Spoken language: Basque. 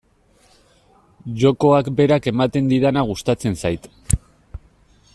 Jokoak berak ematen didana gustatzen zait.